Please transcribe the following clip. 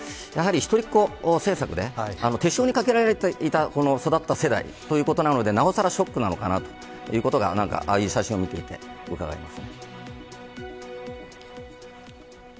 あとは、やはり一人っ子政策で手塩にかけられて育った世代ということなのでなおさらショックなのかなというのがああいう写真を見て思います。